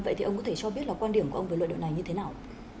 vậy thì ông có thể cho biết là quan điểm của ông về luận điệu này như thế nào